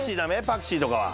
パクチーとかは。